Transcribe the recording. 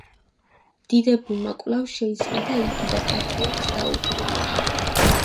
დიდებულმა კვლავ შეისყიდა იგი და პატრიარქს დაუბრუნა.